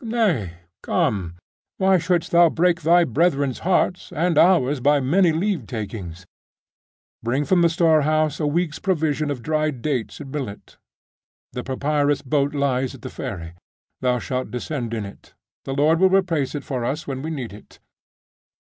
'Nay come. Why shouldst thou break thy brethren's hearts and ours by many leave takings! Bring from the storehouse a week's provision of dried dates and millet. The papyrus boat lies at the ferry; thou shalt descend in it. The Lord will replace it for us when we need it.